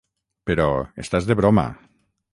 Però, estàs de broma.